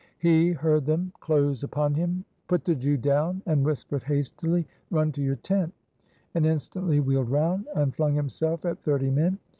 He heard them close upon him put the Jew down and whispered hastily, "Run to your tent," and instantly wheeled round and flung himself at thirty men.